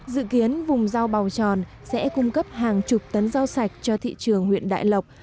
dự kiến vùng rau bào tròn sẽ cung cấp hàng chục tấn rau sạch cho thị trường huyện đại lộc